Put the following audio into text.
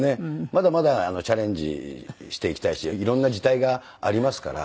まだまだチャレンジしていきたいし色んな字体がありますから。